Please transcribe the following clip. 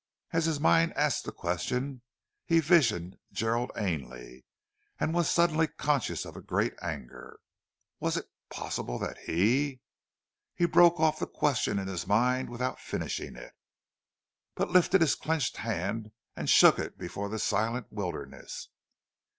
As his mind asked the question, he visioned Gerald Ainley, and was suddenly conscious of a great anger. Was it possible that he ? He broke off the question in his mind without finishing it; but lifted his clenched hand and shook it before the silent wilderness.